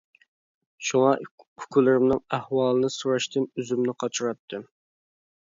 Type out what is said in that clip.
شۇڭا ئۇكىلىرىمنىڭ ئەھۋالىنى سوراشتىن ئۆزۈمنى قاچۇراتتىم.